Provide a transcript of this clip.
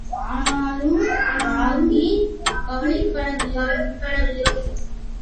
ஆனாலும், ராகி கவலைப்படவில்லை.